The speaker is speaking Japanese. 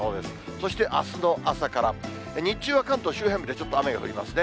そしてあすの朝から日中は関東周辺部でちょっと雨が降りますね。